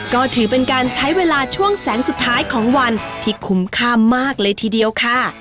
ก็ถือเป็นการใช้เวลาช่วงแสงสุดท้ายของวันที่คุ้มค่ามากเลยทีเดียวค่ะ